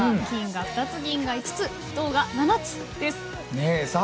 金が２つ、銀が５つ銅が７つです。